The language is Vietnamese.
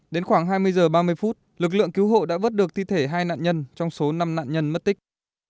đến khoảng hai mươi h ba mươi phút lực lượng cứu hộ đã vớt được thi thể hai nạn nhân trong số năm nạn nhân mất tích